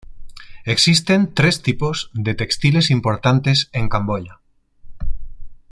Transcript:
Existen tres tipos de textiles importantes en Camboya.